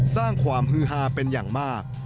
สร้างความฮือฮาเป็นอย่างมาก